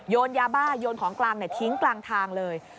ยาบ้าโยนของกลางทิ้งกลางทางเลย